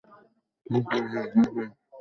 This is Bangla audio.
প্রধান বাদক সবসময় শ্রোতাদের সবচেয়ে কাছে বসেন।